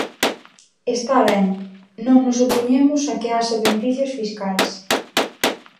Está ben, non nos opoñemos a que haxa beneficios fiscais.